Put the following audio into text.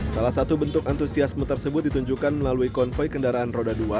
salah satu bentuk antusiasme tersebut ditunjukkan melalui konvoy kendaraan roda dua